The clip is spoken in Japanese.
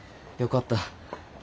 よかった。